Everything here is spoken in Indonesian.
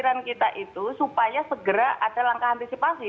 kita menginginkan itu supaya segera ada langkah antisipasi